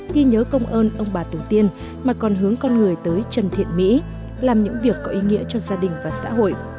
ghi nhớ công ơn ông bà tổ tiên mà còn hướng con người tới trần thiện mỹ làm những việc có ý nghĩa cho gia đình và xã hội